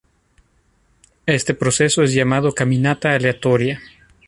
Este proceso es llamado caminata aleatoria.